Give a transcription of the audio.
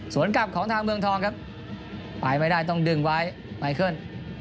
ส่วนกลับของทางเมืองทองครับไปไม่ได้ต้องดึงไว้ไมเคิล